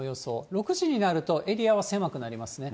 ６時になると、エリアは狭くなりますね。